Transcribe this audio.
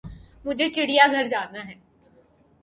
مجھے چڑیا گھر جانا ہے